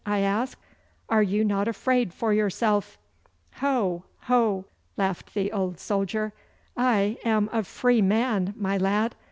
I asked. 'Are you not afraid for yourself?' 'Ho, ho!' laughed the old soldier. 'I am a free man, my lad!